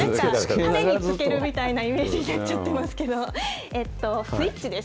たれにつけるみたいなイメージになっちゃってますけど、スイッチです。